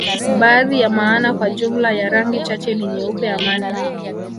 Baadhi ya maana kwa jumla ya rangi chache ni nyeupe amani